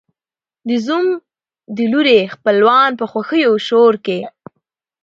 د زوم د لوري خپلوان په خوښیو او شور کې